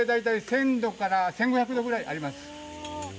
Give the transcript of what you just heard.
１０００度から１５００度あります。